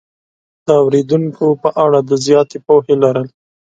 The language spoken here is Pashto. د اورېدونکو په اړه د زیاتې پوهې لرل